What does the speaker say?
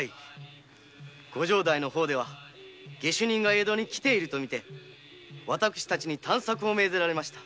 ご城代の方では江戸に下手人が来ているとみて私たちに探索を命ぜられました。